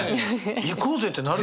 行こうぜってなる！